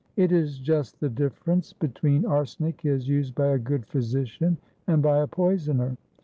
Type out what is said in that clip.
It is just the difference between arsenic as used by a good physician and by a poisoner.